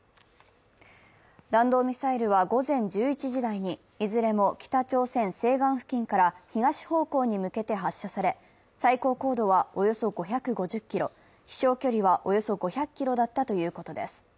弾道ミサイルは午前１１時台にいずれも北朝鮮西岸付近から東方向に向けて発射され最高高度はおよそ５５０ｋｍ、飛しょう距離はおよそ５００ｋｍだったということです。